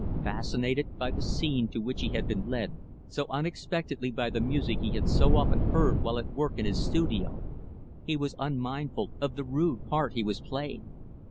Fascinated by the scene to which he had been led, so unexpectedly by the music he had so often heard while at work in his studio, he was unmindful of the rude part he was playing.